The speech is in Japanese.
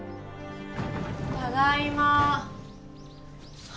ただいま